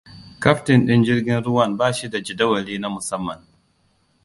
Kaftin din jirgin ruwan bashi da jadawali na musamman.